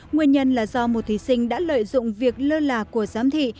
nguyên nhân là do một thí sinh đã lợi dụng việc lơ là của giám thị